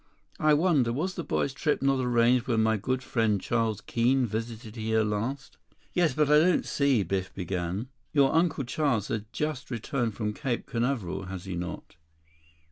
"I wonder. Was the boy's trip not arranged when my good friend Charles Keene visited here last?" "Yes. But I don't see—" Biff began. "Your Uncle Charles had just returned from Cape Canaveral, had he not?"